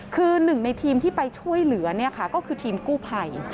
คือหนึ่งในทีมที่ไปช่วยเหลือก็คือทีมกู้ภัย